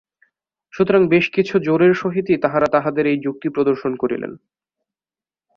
সুতরাং বেশ কিছু জোরের সহিতই তাঁহারা তাঁহাদের এই যুক্তি প্রদর্শন করেন।